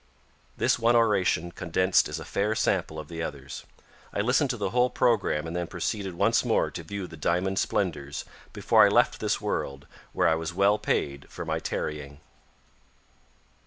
This one oration condensed is a fair sample of the others. I listened to the whole program and then proceeded once more to view the diamond splendors before I left this world where I was well paid for my tarrying.